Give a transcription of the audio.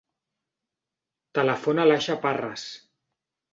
Telefona a l'Aixa Parres.